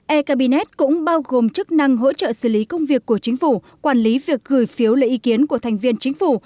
e cabinet cũng bao gồm chức năng hỗ trợ xử lý công việc của chính phủ quản lý việc gửi phiếu lời ý kiến của thành viên chính phủ